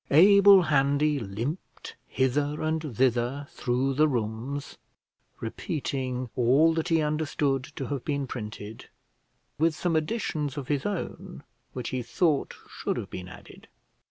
Abel Handy limped hither and thither through the rooms, repeating all that he understood to have been printed, with some additions of his own which he thought should have been added.